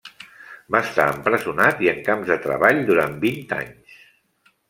Va estar empresonat i en camps de treball durant vint anys.